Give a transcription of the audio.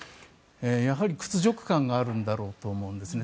やはり屈辱感があるんだろうと思うんですね。